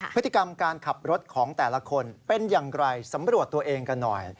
พฤติกรรมการขับรถของแต่ละคนเป็นอย่างไรสำรวจตัวเองกันหน่อย